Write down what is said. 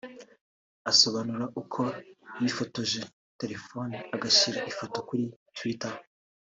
Asobanura uko yifotoje telefone agashyira ifoto kuri twitter